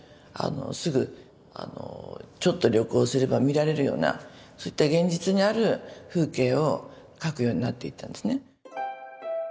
すぐちょっと旅行すれば見られるようなそういった現実にある風景を描くようになっていったんですね。